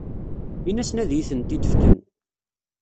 Ini-asen ad iyi-tent-id-fken.